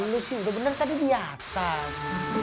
ya lu sih udah bener tadi di atas